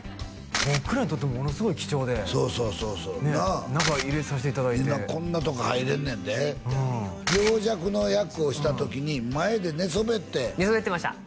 僕らにとってものすごい貴重でそうそうそうそうなあ中入れさせていただいてみんなこんなとこ入れんのやで病弱の役をした時に前で寝そべって寝そべってました